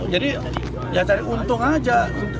jadi jangan cari untung saja